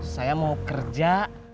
saya mau kerja